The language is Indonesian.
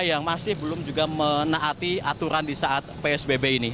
yang masih belum juga menaati aturan di saat psbb ini